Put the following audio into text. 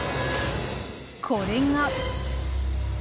これが。